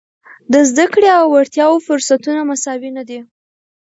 د زده کړې او وړتیاوو فرصتونه مساوي نه دي.